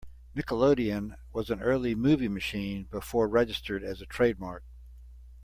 "Nickelodeon" was an early movie machine before registered as a trademark.